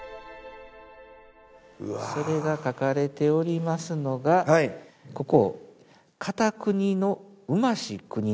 それが書かれておりますのがここ。